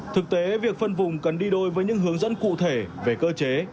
thực tế việc phân vùng cần đi đôi với những hướng dẫn cụ thể về cơ chế